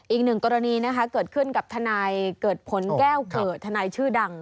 อีกหนึ่งกรณีนะคะเกิดขึ้นกับทนายเกิดผลแก้วเกิดทนายชื่อดัง